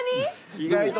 意外と。